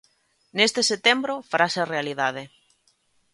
Neste setembro, farase realidade.